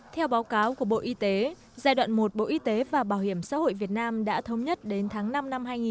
theo báo cáo của bộ y tế giai đoạn một bộ y tế và bảo hiểm xã hội việt nam đã thống nhất đến tháng năm năm hai nghìn hai mươi